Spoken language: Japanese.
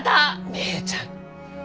姉ちゃん。